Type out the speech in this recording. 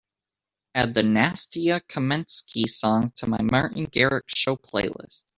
Add the Nastya Kamenskih song to my The Martin Garrix Show playlist.